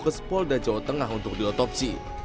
ke spolda jawa tengah untuk diotopsi